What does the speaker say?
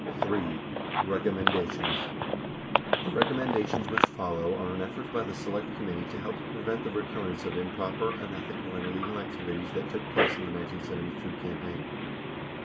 41 III. KECOMMENDATIONS The recommendations which follow are an effort by the Select Committee to help prevent the recurrence of improper, unethical, and illegal activities that took place in the 1972 campaign.